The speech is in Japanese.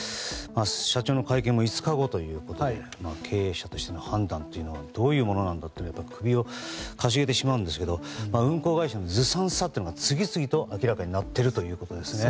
社長の会見も５日後ということで経営者としての判断はどういうものなのかと首をかしげてしまうんですけど運航会社のずさんさというのが次々と明らかになっているということですね。